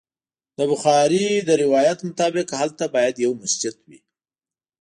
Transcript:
د بخاري د روایت مطابق هلته باید یو مسجد وي.